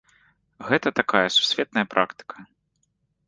Гэта такая сусветная практыка.